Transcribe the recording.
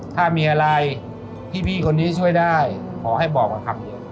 ถ้ามีอะไรพี่พี่คนนี้ช่วยได้ขอให้บอกกว่าคำเยอะ